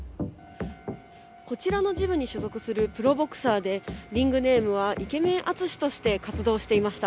こちらのジムに所属するプロボクサーで、リングネームはイケメン淳として活動していました。